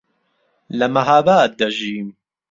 لە مەهاباد دەژیم.